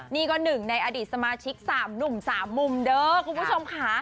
นี่ก็๑ในอะดีตสมาชิก๓นุ่ม๓มุมเด้อคุณผู้ชม